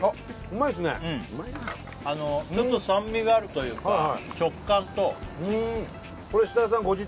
うんあのちょっと酸味があるというかはいはい食感とこれ設楽さん